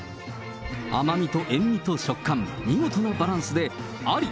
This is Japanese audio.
甘みと塩味と食感、見事なバランスであり！